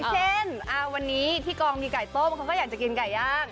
เช่นวันนี้ที่กองมีไก่ต้มเขาก็อยากจะกินไก่ย่าง